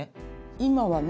今はね